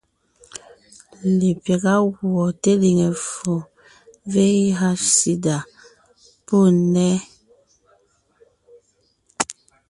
Lepyága gùɔ teliŋe ffo (VIH/SIDA) pɔ́ nnέ,